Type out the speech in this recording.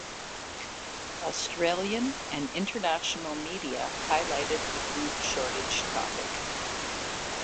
Australian and International media highlighted the food shortage topic.